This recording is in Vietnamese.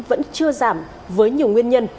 vẫn chưa giảm với nhiều nguyên nhân